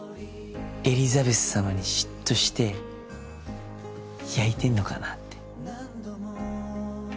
エリザベスさまに嫉妬してやいてんのかなって。